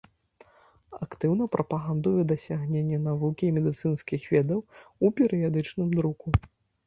Актыўна прапагандуе дасягнення навукі і медыцынскіх ведаў у перыядычным друку.